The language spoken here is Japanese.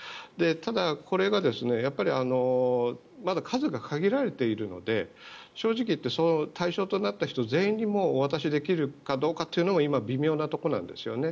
ただ、これがやっぱりまだ数が限られているので正直言って対象となった人全員にお渡しできるかどうかも今、微妙なところなんですよね。